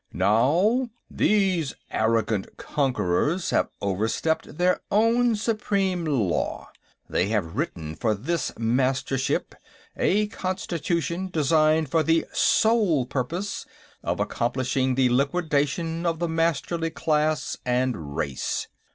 "Now, these arrogant conquerors have overstepped their own supreme law. They have written for this Mastership a constitution, designed for the sole purpose of accomplishing the liquidation of the Masterly class and race.